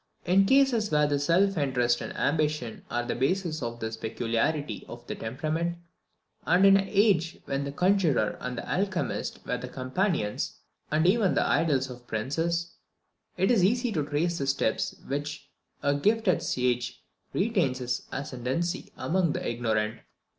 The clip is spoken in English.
In cases where self interest and ambition are the basis of this peculiarity of temperament, and in an age when the conjuror and the alchemist were the companions and even the idols of princes, it is easy to trace the steps by which a gifted sage retains his ascendancy among the ignorant.